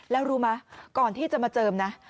แล้วรู้ไหมก่อนที่จะมาเจิมนะ